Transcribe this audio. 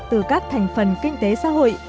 từ các thành phần kinh tế xã hội